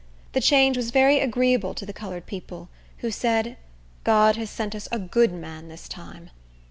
The change was very agreeable to the colored people, who said, "God has sent us a good man this time."